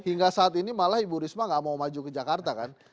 hingga saat ini malah ibu risma nggak mau maju ke jakarta kan